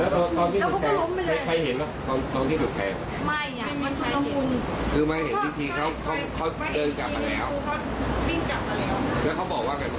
ก็ยังพูดได้อยู่เลยนะครับ